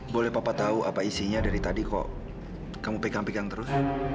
boleh papa tahu apa isinya dari tadi kok kamu pegang pegang terus